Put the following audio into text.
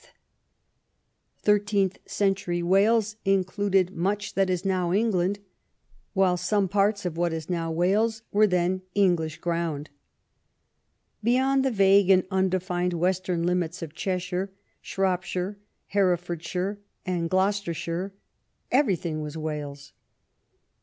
Thirteenth century Wales included much that is now England, while some parts of what is now Wales w^ere then English ground. Beyond the vague and undefined western limits of Cheshire, Shropshire, Herefordshire, and Gloucestershire, every thing was Wales.